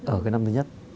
ở cái năm thứ nhất